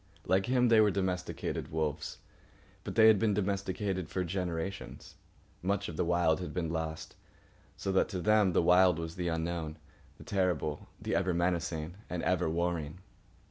Like him, they were domesticated wolves. But they had been domesticated for generations. Much of the Wild had been lost, so that to them the Wild was the unknown, the terrible, the ever menacing and ever warring.